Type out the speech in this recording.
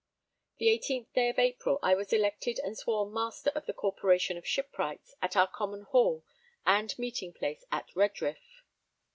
The 18th day of April, I was elected and sworn Master of the Corporation of Shipwrights at our common hall and meeting place at Redriff.